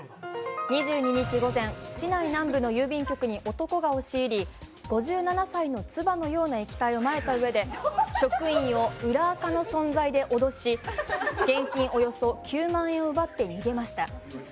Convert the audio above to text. ２２日午前、市内南部の郵便局に男が押し入り５７さいのツバのような液体をまいたうえで職員を裏アカの存在で脅し現金およそ９万円を奪って逃げました。